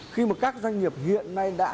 khi mà các doanh nghiệp hiện nay đã